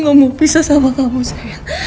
nggak aku gak mau pisah sama kamu sayang